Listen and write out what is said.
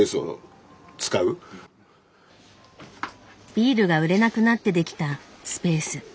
ビールが売れなくなってできたスペース。